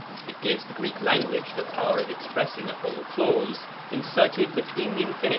It gives the Greek language the power of expressing a whole clause, inserted between the Infin.